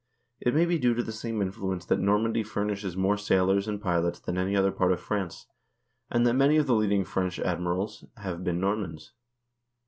2 It may be due to the same influence that Normandy furnishes more sailors and pilots than any other part of France, and that many of the leading French admirals have been Normans.